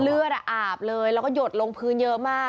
เลือดอาบเลยแล้วก็หยดลงพื้นเยอะมาก